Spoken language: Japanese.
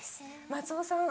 松尾さん